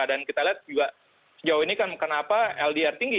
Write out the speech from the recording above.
dan kita lihat juga sejauh ini kan kenapa ldr tinggi